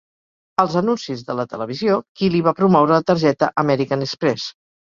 Als anuncis de la televisió, Killy va promoure la targeta American Express.